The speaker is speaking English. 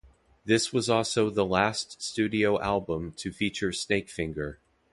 This was also the last studio album to feature Snakefinger.